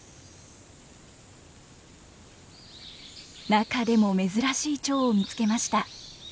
中でも珍しいチョウを見つけました。